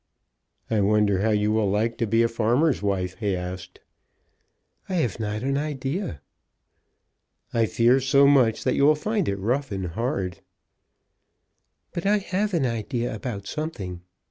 "I wonder how you will like to be a farmer's wife?" he asked. "I have not an idea." "I fear so much that you'll find it rough and hard." "But I have an idea about something."